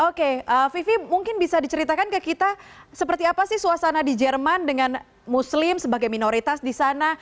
oke vivi mungkin bisa diceritakan ke kita seperti apa sih suasana di jerman dengan muslim sebagai minoritas di sana